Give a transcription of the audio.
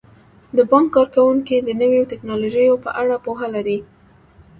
د بانک کارکوونکي د نویو ټیکنالوژیو په اړه پوهه لري.